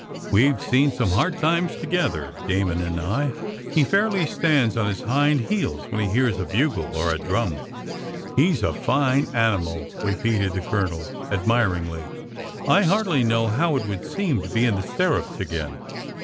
We 've seen some hard times together, Damon and I. He fairly stands on his hind heels when he hears a bugle or a drum." He 's a fine animal," repeated the Colonel, admiringly. I hardly know how it would seem to be in the stirrups again."